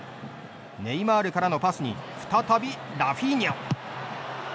ネイマールからのパスに再びラフィーニャ。